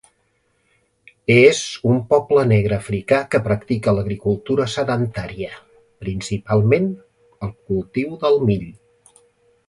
És un poble negre africà que practica l'agricultura sedentària, principalment el cultiu del mill.